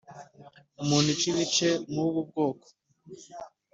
umuntu uca ibice mu ubu bwoko